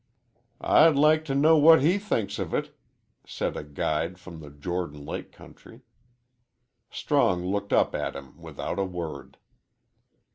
"I'd like to know what he thinks of it," said a guide from the Jordan Lake country. Strong looked up at him without a word.